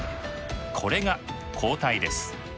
これが抗体です。